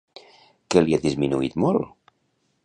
Què li ha disminuït molt?